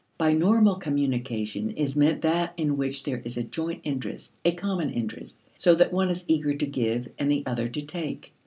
By normal communication is meant that in which there is a joint interest, a common interest, so that one is eager to give and the other to take.